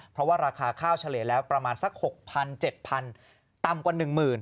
เพราะว่าราคาข้าวเฉลี่ยแล้วประมาณสัก๖๐๐๗๐๐ต่ำกว่า๑หมื่น